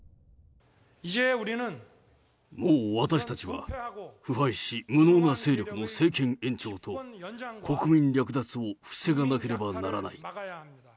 もう私たちは腐敗し、無能な勢力の政権延長と国民略奪を防がなければならない。